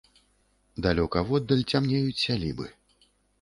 Далёка воддаль цямнеюць сялібы.